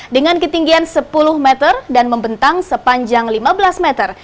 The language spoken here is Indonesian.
dengan ketinggian sepuluh meter dan membentang sepanjang lima belas meter